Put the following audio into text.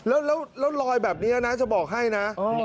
แล้วแล้วแล้วลอยแบบเนี้ยนะจะบอกให้น่ะเออ